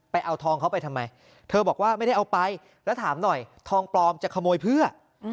เอาทองเขาไปทำไมเธอบอกว่าไม่ได้เอาไปแล้วถามหน่อยทองปลอมจะขโมยเพื่อ